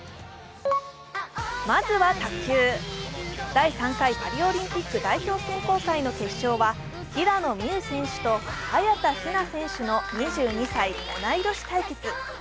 まずは卓球、第３回パリオリンピック代表選考会の決勝は平野美宇選手と早田ひな選手の２２歳・同い年対決。